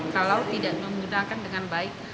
kalau tidak menggunakan dengan baik